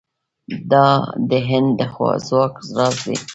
دا د هند د ځواک راز دی.